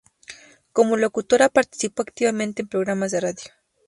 Como locutora, participó activamente en programas de radio.